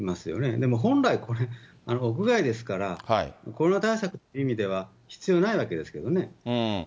でも、本来これ、屋外ですから、コロナ対策っていう意味では、必要ないわけですけどね。